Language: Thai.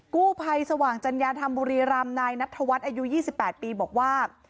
กู้ภัยสว่างจัญญาธรรมบุรีรำนายนัทธวัฒน์อายุ๒๘ปีบอกว่า